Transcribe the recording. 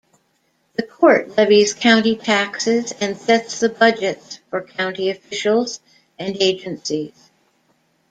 The court levies county taxes and sets the budgets for county officials and agencies.